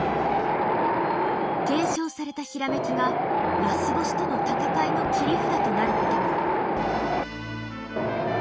継承された閃きがラスボスとの戦いの切り札となることも。